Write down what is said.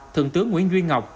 thượng tướng nguyễn duy ngọc